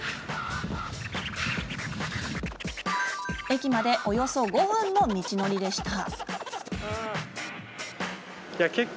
駅までおよそ５分の道のりでした。